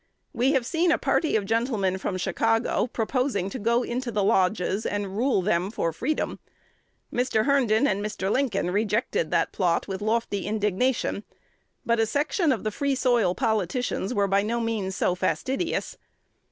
We have seen a party of gentlemen from Chicago proposing to go into the lodges, and "rule them for freedom." Mr. Herndon and Mr. Lincoln rejected the plot with lofty indignation; but a section of the Free Soil politicians were by no means so fastidious.